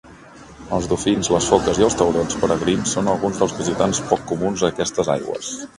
Els dofins, les foques i els taurons peregrins són alguns dels visitants pocs comuns d'aquestes aigües.